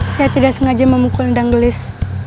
saya tidak sengaja memukul ndang lies